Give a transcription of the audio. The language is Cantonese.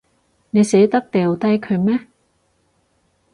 你捨得掉低佢咩？